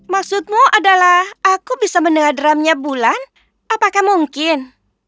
maksudmu adalah aku bisa mendengar drumnya bulan apakah mungkin